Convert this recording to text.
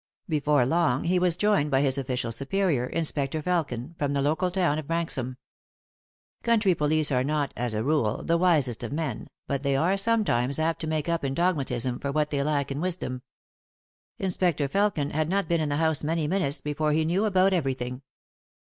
Before long he was joined by his official superior, Inspector Felkin, from the local town of Branxham. Country police are not, as a rule, the wisest of men, but they are sometimes apt to make up in dogmatism for what they lack in wisdom. Inspector Felkin had not been in the house many minutes before he knew about everything.